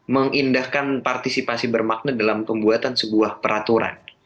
mengindahkan partisipasi bermakna dalam pembuatan sebuah peraturan